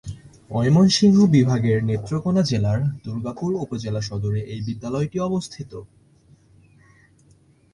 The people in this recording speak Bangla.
ময়মনসিংহ বিভাগের নেত্রকোণা জেলার দুর্গাপুর উপজেলা সদরে এই বিদ্যালয়টি অবস্থিত।